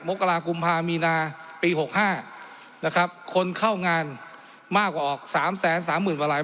มกรากุมภามีนาปีหกห้านะครับคนเข้างานมากกว่าออกสามแสนสามหมื่นบาลาย